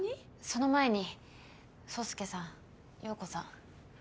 その前に宗介さん葉子さん